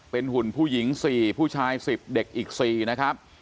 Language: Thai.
เป็นหุ่นผู้หญิง๔ผู้ชาย๑๐เด็กอีก๔นะครับ